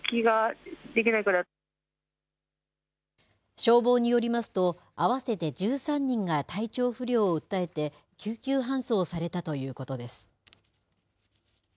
消防によりますと、合わせて１３人が体調不良を訴えて、救急搬送されたということです。